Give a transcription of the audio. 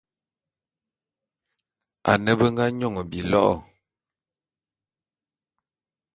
Ane be nga nyon bilo'o.